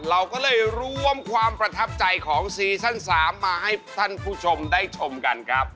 เราก็เลยรวมความประทับใจของซีซั่น๓มาให้ท่านผู้ชมได้ชมกันครับ